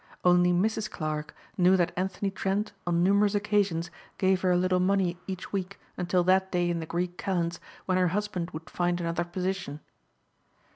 Only Mrs. Clarke knew that Anthony Trent on numerous occasions gave her a little money each week until that day in the Greek kalends when her husband would find another position.